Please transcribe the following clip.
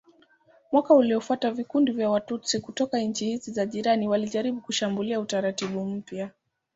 Mwaka uliofuata vikundi vya Watutsi kutoka nchi hizi za jirani walijaribu kushambulia utaratibu mpya.